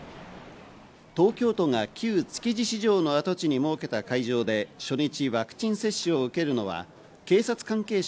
東京都が旧築地市場の跡地に設けた会場で初日、ワクチン接種を受けるのは警察関係者